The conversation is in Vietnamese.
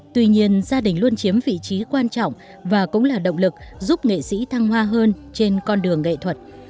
tuy nhiên gia đình luôn chiếm vị trí quan trọng và cũng là động lực giúp nghệ sĩ thăng hoa hơn trên con đường nghệ thuật